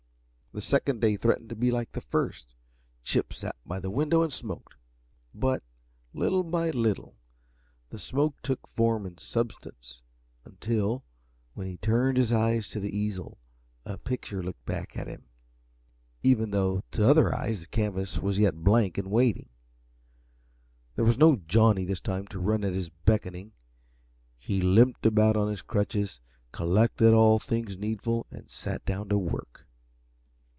The second day threatened to be like the first. Chip sat by the window and smoked; but, little by little, the smoke took form and substance until, when he turned his eyes to the easel, a picture looked back at him even though to other eyes the canvas was yet blank and waiting. There was no Johnny this time to run at his beckoning. He limped about on his crutches, collected all things needful, and sat down to work.